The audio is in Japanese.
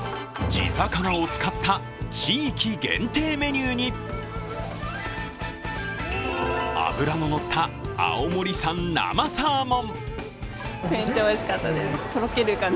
地魚を使った地域限定メニューに脂の乗った青森産生サーモン。